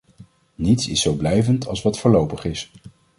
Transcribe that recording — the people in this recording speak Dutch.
Niets is zo blijvend als wat voorlopig is.